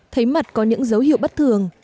thấy mặt có những dấu hiệu bất thường